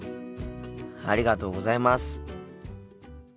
ありがとうございます。